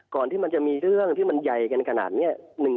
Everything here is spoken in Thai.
ก่อนที่มันจะมีเรื่องที่มันใหญ่กันขนาดนี้